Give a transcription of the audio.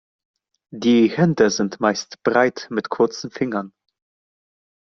Die Hände sind meist breit mit kurzen Fingern.